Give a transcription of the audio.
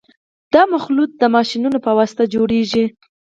دا مخلوط د ماشینونو په واسطه جوړیږي